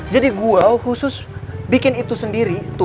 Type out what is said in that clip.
jadi gue khusus bikin itu sendiri